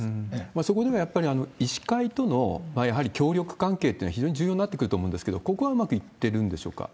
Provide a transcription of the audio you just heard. そこでもやっぱり、医師会とのやはり協力関係ってのは非常に重要になってくると思うんですけれども、ここはうまくいってるんでしょうか？